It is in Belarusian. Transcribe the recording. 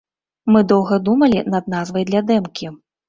Мы доўга думалі над назвай для дэмкі.